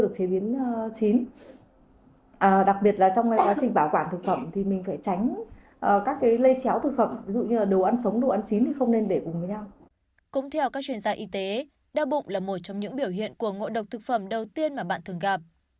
cũng theo các chuyên gia y tế đau bụng là một trong những biểu hiện của ngộ độc thực phẩm đầu tiên mà bạn thường gặp